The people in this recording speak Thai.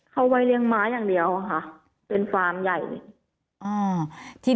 เขาไว้เลี้ยงม้าอย่างเดียวค่ะเป็นฟาร์มใหญ่